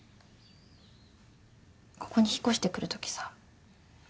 ここに引っ越してくるときさ